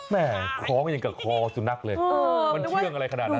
แม่คล้องอย่างกับคอสุนัขเลยมันเชื่องอะไรขนาดนั้น